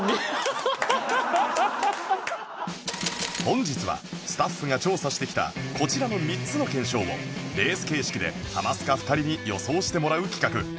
本日はスタッフが調査してきたこちらの３つの検証をレース形式でハマスカ２人に予想してもらう企画